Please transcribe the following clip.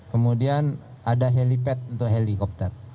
kemudian ada helipad untuk helikopter